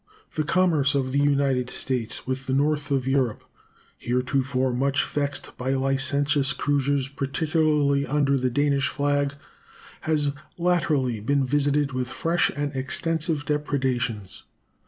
The commerce of the United States with the north of Europe, heretofore much vexed by licentious cruisers, particularly under the Danish flag, has latterly been visited with fresh and extensive depredations.